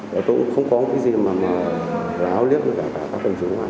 và tôi cũng không có cái gì mà láo liếc với cả các phần chứng ngoan